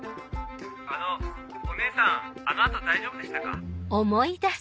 あのお姉さんあの後大丈夫でしたか？